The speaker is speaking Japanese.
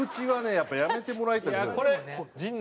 やっぱりやめてもらいたいんですよ。